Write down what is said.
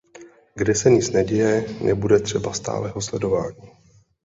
Kde se nic neděje, nebude třeba stálého sledování.